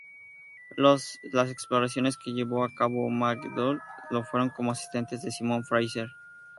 Las exploraciones que llevó a cabo McDougall lo fueron como asistente de Simon Fraser.